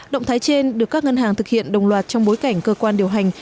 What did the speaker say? động thái trên được các ngân hàng thực hiện đồng loạt trong bối cảnh cơ quan điều hành